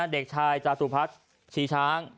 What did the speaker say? เด็กชายจาสุพัชรชีช้างอายุ๑๐ปีหรือว่าตองเนี่ยนะ